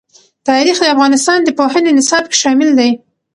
تاریخ د افغانستان د پوهنې نصاب کې شامل دي.